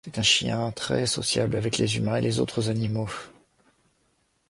C’est un chien très sociable avec les humains et les autres animaux.